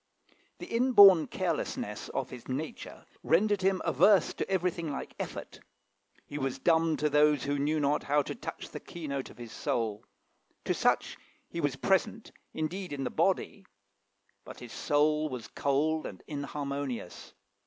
The inborn carelessness of his nature rendered him averse to everything like effort; he was dumb to those who knew not how to touch the keynote of his soul; to such he was present, indeed, in the body, but his soul was cold and inharmonious.